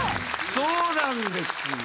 そうなんですよ。